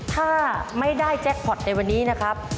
ถ้าไม่ได้แจ็คพอร์ตในวันนี้นะครับ